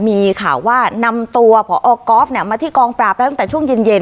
มีข่าวว่านำตัวพอก๊อฟมาที่กองปราบแล้วตั้งแต่ช่วงเย็น